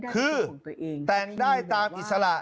คือแต่งได้ตามอิสระ